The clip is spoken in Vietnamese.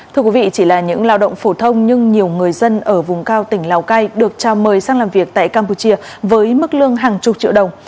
thưa quý vị chỉ là những lao động phổ thông nhưng nhiều người dân ở vùng cao tỉnh lào cai được trao mời sang làm việc tại campuchia với mức lương hàng chục triệu đồng